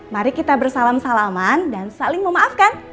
mari kita bersalam salaman dan saling memaafkan